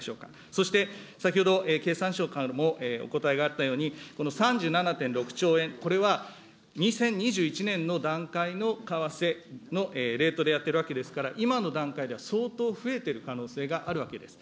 そして、先ほど経産省からもお答えがあったように、この３７．６兆円、これは２０２１年の段階の為替のレートでやってるわけですから、今の段階では相当増えてる可能性があるわけです。